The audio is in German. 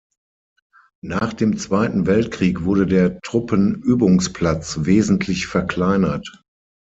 Nach dem Zweiten Weltkrieg wurde der Truppenübungsplatz wesentlich verkleinert.